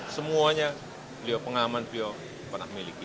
semuanya beliau pengalaman beliau pernah miliki